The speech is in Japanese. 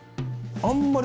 あんまり。